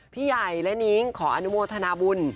พี่ใหญ่และนิ้งขออนุโมทนาบุญ